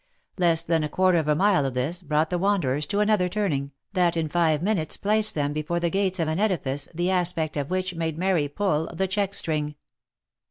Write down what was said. Less than a quarter of a mile of this, brought the wanderers to another turning, that in five minutes placed them before the gates of an edifice the aspect of which made Mary pull the check string.